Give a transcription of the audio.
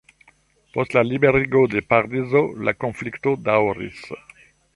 Post la liberigo de Parizo, la konflikto daŭris.